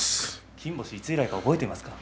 金星、いつぶりか覚えてますか。